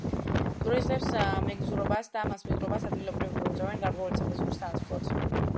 ტურისტებს მეგზურობას და მასპინძლობას ადგილობრივები უწევენ გარკვეული საფასურის სანაცვლოდ.